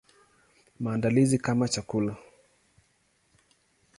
Maandalizi kama chakula.